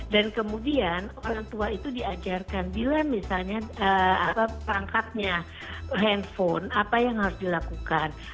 dan kemudian orang tua itu diajarkan bila misalnya perangkatnya handphone apa yang harus dilakukan